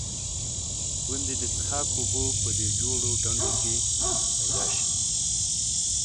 ګوندې د څښاک اوبه په دې جوړو ډنډوکو کې پیدا شي.